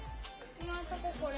今のところ、これ。